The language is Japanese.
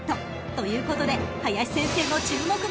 ［ということで林先生の注目馬は］